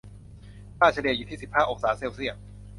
ค่าเฉลี่ยอยู่ที่ สิบห้า องศาเซลเซียส